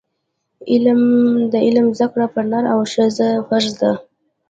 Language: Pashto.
د علم زده کړه پر نر او ښځه فرض ده.